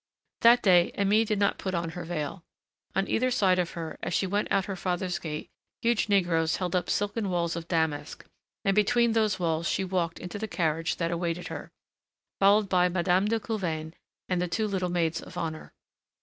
That day Aimée did not put on her veil. On either side of her, as she went out her father's gate, huge negroes held up silken walls of damask, and between those walls she walked into the carriage that awaited her, followed by Madame de Coulevain and the two little maids of honor.